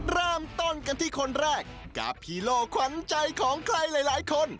เริ่มต้นกันที่คนแรกกับฮีโร่ขวัญใจของใครหลายคน